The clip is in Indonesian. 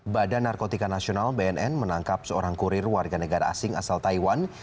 badan narkotika nasional bnn menangkap seorang kurir warga negara asing asal taiwan